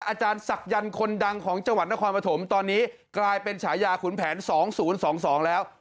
อาจารย์ศักยันต์คนดังของจังหวัดนครปฐมตอนนี้กลายเป็นฉายาขุนแผน๒๐๒๒แล้ว